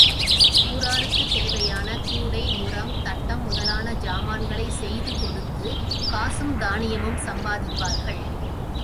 ஊராருக்குத் தேவையான கூடை, முறம், தட்டம் முதலான சாமான்களைச் செய்து கொடுத்துக் காசும் தானியமும் சம்பாதிப்பார்கள்.